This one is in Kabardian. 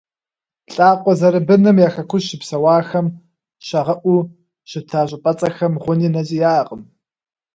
Лӏакъуэ зэрыбыным я Хэкужь щыпсэуахэм щагъэӏуу щыта щӏыпӏэцӏэхэм гъуни нэзи яӏэкъым.